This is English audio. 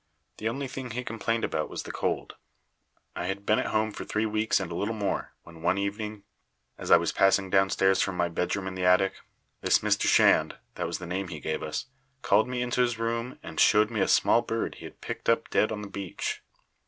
The only thing he complained about was the cold. "I had been at home for three weeks and a little more when one evening, as I was passing downstairs from my bedroom in the attic, this Mr. Shand that was the name he gave us called me into his room and showed me a small bird he had picked up dead on the beach.